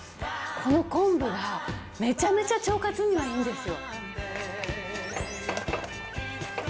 この昆布がめちゃめちゃ腸活にはいいんですよ。